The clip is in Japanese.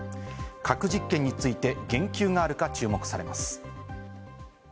核実験について言及があるか注目されます。